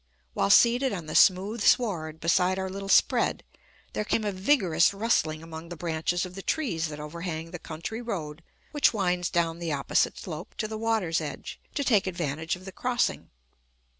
While seated on the smooth sward, beside our little spread, there came a vigorous rustling among the branches of the trees that overhang the country road which winds down the opposite slope to the water's edge to take advantage of the crossing.